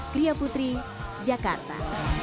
kriya putri jakarta